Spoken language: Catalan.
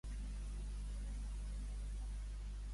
La conversació anava creixent?